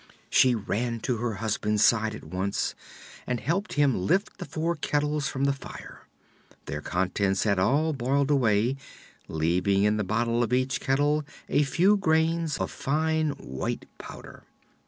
She ran to her husband's side at once and helped him lift the four kettles from the fire. Their contents had all boiled away, leaving in the bottom of each kettle a few grains of fine white powder.